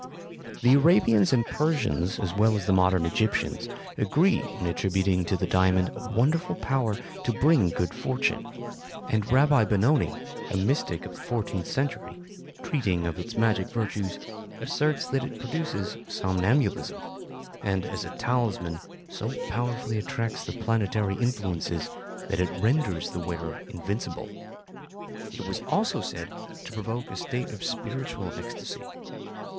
The Arabians and Persians, as well as the modern Egyptians, agree in attributing to the diamond a wonderful power to bring good fortune, and Rabbi Benoni, a mystic of the fourteenth century, treating of its magic virtues, asserts that it produces somnambulism, and, as a talisman, so powerfully attracts the planetary influences that it renders the wearer invincible; it was also said to provoke a state of spiritual ecstasy.